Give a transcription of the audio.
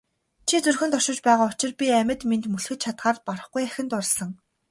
Чи зүрхэнд оршиж байгаа учир би амьд мэнд мөлхөж чадахаар барахгүй ахин дурласан.